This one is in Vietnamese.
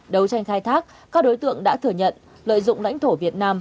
đấu tranh khai thác các đối tượng đã thừa nhận lợi dụng lãnh thổ việt nam